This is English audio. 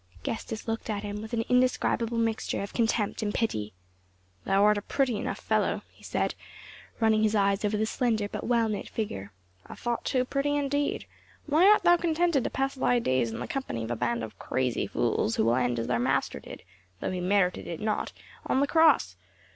Gestas looked at him with an indescribable mixture of contempt and pity. "Thou art a pretty enough fellow," he said, running his eyes over the slender but well knit figure. "A thought too pretty indeed. Why art thou contented to pass thy days in the company of a band of crazy fools, who will end as their Master did though he merited it not on the cross.